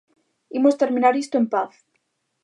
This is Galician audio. ¡Imos terminar isto en paz!